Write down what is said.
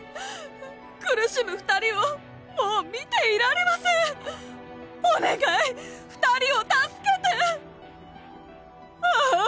苦しむ２人をもう見ていられませんお願い２人を助けてああ